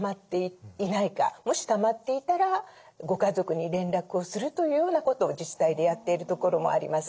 もしたまっていたらご家族に連絡をするというようなことを自治体でやっているところもあります。